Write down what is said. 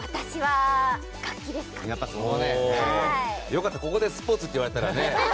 良かった、ここでスポーツって言われたらね。